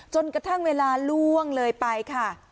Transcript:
จนกระทั่งเวลาล่วงเลยไปค่ะ